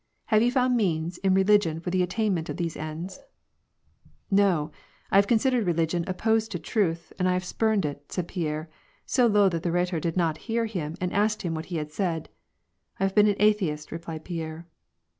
" Have you found means in religion for the attainment of these ends ?" "No, I have considered religion opposed to truth, and F have spurned it," said Pierre, so low that the Rhetor did not hear him and asked him what he said: ^'I have been an atheist," replied Pierre.